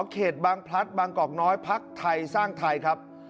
เขตบางพลัดบางกอกน้อยพักไทยสร้างไทยครับ